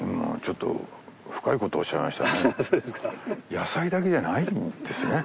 野菜だけじゃないんですね。